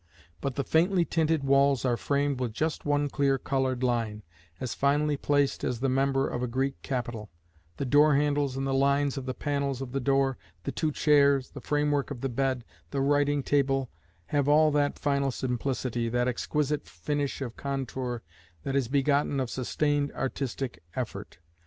But the faintly tinted walls are framed with just one clear coloured line, as finely placed as the member of a Greek capital; the door handles and the lines of the panels of the door, the two chairs, the framework of the bed, the writing table, have all that final simplicity, that exquisite finish of contour that is begotten of sustained artistic effort.